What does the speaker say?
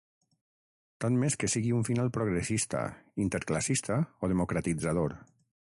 Tant m'és que sigui un final progressista, interclassista o democratitzador.